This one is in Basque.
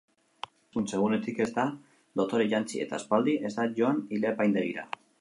Ezkontza-egunetik ez da dotore jantzi, eta aspaldi ez da joan ile-apaindegira.